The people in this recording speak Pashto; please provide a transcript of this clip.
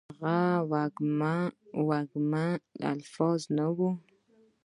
هغه وږمه، وږمه لفظونه ، نه وه